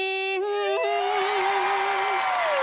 แน่นอน